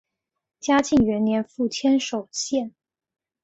嘉庆元年赴千叟宴。